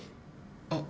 あっ。